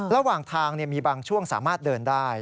ระหว่างทางมีบางช่วงสามารถเดินได้